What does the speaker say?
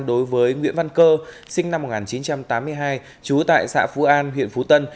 đối với nguyễn văn cơ sinh năm một nghìn chín trăm tám mươi hai trú tại xã phú an huyện phú tân